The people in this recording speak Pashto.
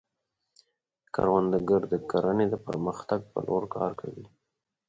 کروندګر د کرنې د پرمختګ په لور کار کوي